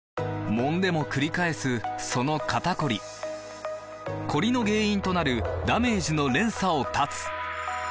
もんでもくり返すその肩こりコリの原因となるダメージの連鎖を断つ！